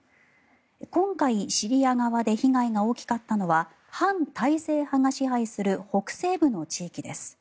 今回、シリア側で被害が大きかったのは反体制派が支配する北西部の地域です。